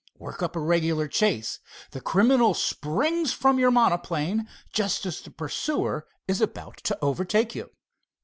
Work up a regular chase. The criminal springs from your monoplane just as the pursuer is about to overtake you."